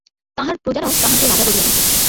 তাঁহার প্রজারাও তাঁহাকে রাজা বলিয়া থাকে।